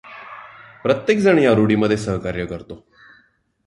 प्रत्येकजण ह्या रूढीमध्ये सहकार्य करतो.